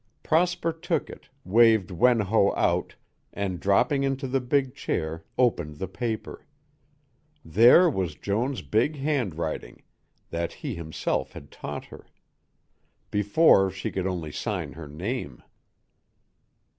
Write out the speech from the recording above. Prosper took it, waved Wen Ho out, and, dropping into the big chair, opened the paper. There was Joan's big handwriting, that he himself had taught her. Before she could only sign her name.